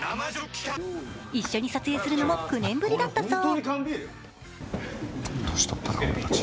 一緒に撮影するのも９年ぶりだったそう。